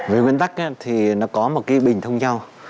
về nguyên tắc thì nó có một cái bình thông nhau